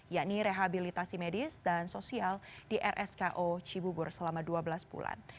yakni rehabilitasi medis dan sosial di rsko cibubur selama dua belas bulan